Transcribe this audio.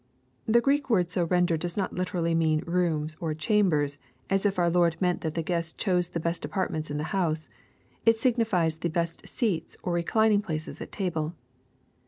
] The Greek word so rendered does not lit erjJly mean " rooms," or " chambers," as if our Lord meant that the guests chose the best apartments in the house. It signifies the " best seats," or reclining places at table.